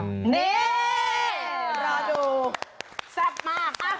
นี่รอดู